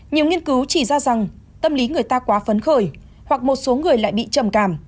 nhiều nghiên cứu chỉ ra rằng tâm lý người ta quá phấn khởi hoặc một số người lại bị trầm cảm